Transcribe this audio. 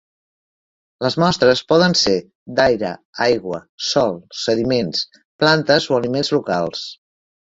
Les mostres poden ser d'aire, aigua, sòl, sediments, plantes o aliments locals.